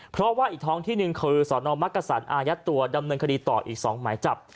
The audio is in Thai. เพราะว่าอีกท้องที่หนึ่งคือสนมักกษันอายัดตัวดำเนินคดีต่ออีก๒หมายจับ